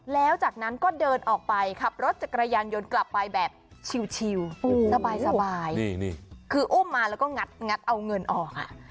แล้วจากนั้นก็เดินออกไปขับรถจักรยานยนต์กลับไปแบบชิวสบายคืออุ้มมาแล้วก็งัดเอาเงินออก